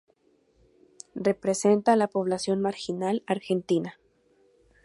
Representa a la población marginal argentina.